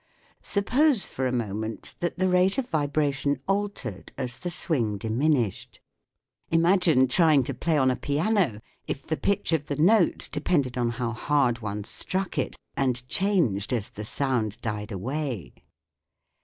Suppose for a moment that the rate of vibration altered as the swing diminished. SOUND IN MUSIC 41 Imagine trying to play on a piano if the pitch of the note depended on how hard one struck it, and changed as the sound died away